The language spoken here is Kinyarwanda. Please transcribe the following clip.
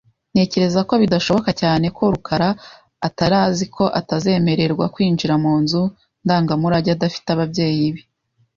Ntekereza ko bidashoboka cyane. ko rukara atari azi ko atazemererwa kwinjira mu nzu ndangamurage adafite ababyeyi be .